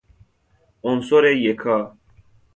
عنصر یکا